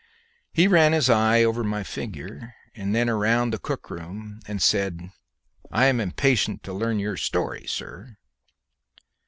He ran his eye over my figure and then round the cook room, and said, "I am impatient to learn your story, sir."